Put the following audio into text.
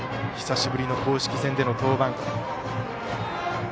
久しぶりの公式戦での登板。